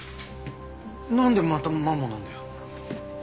何でまたマンモなんだよ。